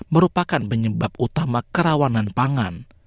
merupakan penyebab utama kerawanan pangan